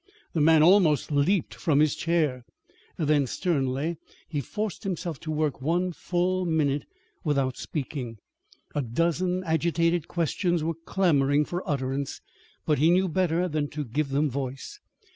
The man almost leaped from his chair. Then, sternly, he forced himself to work one full minute without speaking. A dozen agitated questions were clamoring for utterance, but he knew better than to give them voice.